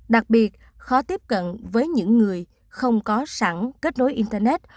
đặc biệt khó tiếp cận với những người không có sẵn kết nối internet